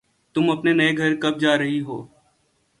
تم اپنے نئے گھر کب جا رہی ہو